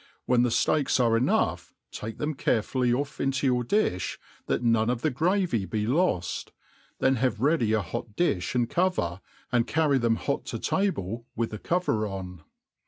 When the fteaks are enough, take them carefully oft^ into, your dift, that none of the gravy be loft; then have ready a hot diih and. cover, and carry them hot to table witl^ the. cover on.